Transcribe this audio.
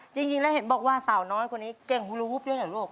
จริงแล้วเห็นบอกว่าสาวน้อยคนนี้เก่งฮูลาภูปเยอะนะลูก